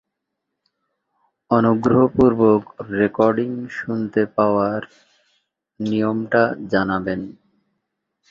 এরা ছোটো ছোটো দলে বসবাস করে এবং খুব আওয়াজ করে।